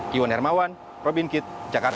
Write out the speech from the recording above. kiwan hermawan probin kit jakarta